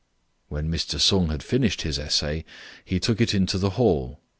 When Mr. Sung had finished his essay, he took it into the hall.